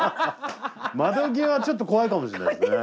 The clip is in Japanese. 窓際はちょっと怖いかもしんないですね。